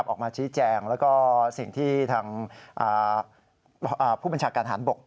ออกมาชี้แจงแล้วก็สิ่งที่ทางผู้บัญชาการฐานบก